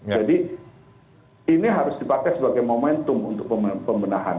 jadi ini harus dipakai sebagai momentum untuk pemenahan